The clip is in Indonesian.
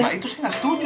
nah itu saya gak setuju